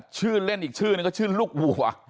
ชื่อเล่นอีกชื่อนึงก็ชื่อลูกวัว